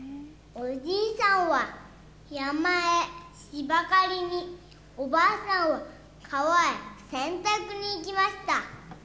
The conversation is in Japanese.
おじいさんは山へ芝刈りに、おばあさんは川へ洗濯に行きました。